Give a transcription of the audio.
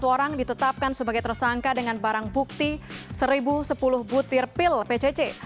satu orang ditetapkan sebagai tersangka dengan barang bukti satu sepuluh butir pil pcc